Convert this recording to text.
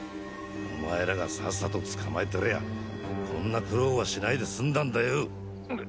お前らがさっさと捕まえてりゃこんな苦労はしないで済んだんだよ！